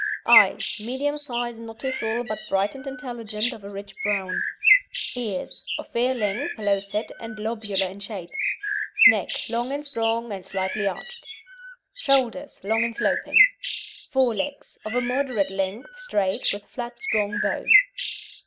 EYES Medium size, not too full, but bright and intelligent, of a rich brown. EARS Of fair length, low set, and lobular in shape. NECK Long, strong, and slightly arched. SHOULDERS Long and sloping. FORE LEGS Of a moderate length, straight, with flat strong bone.